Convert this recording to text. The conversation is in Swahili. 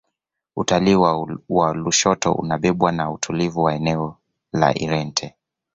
utalii wa lushoto unabebwa na utulivu wa eneo la irente